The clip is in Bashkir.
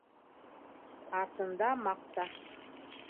Артында маҡта.